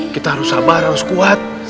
kita harus sabar harus kuat